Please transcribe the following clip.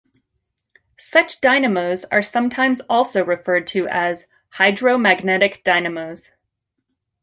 Such dynamos are sometimes also referred to as "hydromagnetic dynamos".